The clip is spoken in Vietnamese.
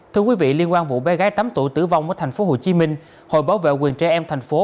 thưa quý vị liên quan vụ bé gái tám tuổi tử vong ở tp hcm hội bảo vệ quyền trẻ em thành phố